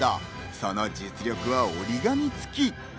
その実力は折り紙つき。